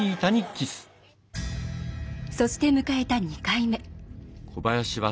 そして、迎えた２回目。